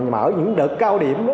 mở những đợt cao điểm